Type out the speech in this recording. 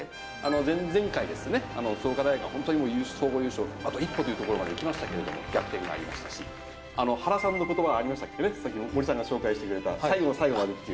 前々回ですね、創価大学が本当に総合優勝にあと一歩というところまでいきましたけど、逆転がありますし、原さんのことばありましたね、さっき森さんが紹介してくれた、最後の最後までっていう。